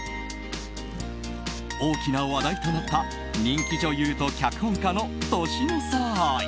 大きな話題となった人気女優と脚本家の年の差愛。